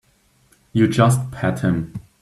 You just pat him.